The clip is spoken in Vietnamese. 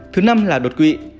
thứ năm là đột quỵ